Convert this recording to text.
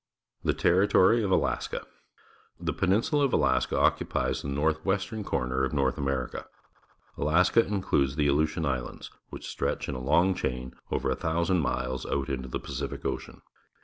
The Territory of Alaska. — The penin sula of Alaska occupies the north western corner of North America. Alaska includes the Aleutian Islands, wliich stretch in a long chain over a thousand miles out into the Pacific Ocean.